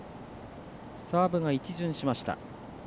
サーブが一巡しました。